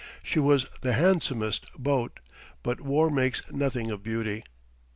She was the handsomest boat, but war makes nothing of beauty.